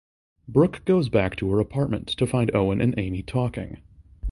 Brooke goes back to her apartment to find Owen and Amy talking.